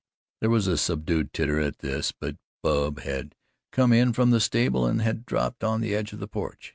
There was a subdued titter at this, but Bub had come in from the stable and had dropped on the edge of the porch.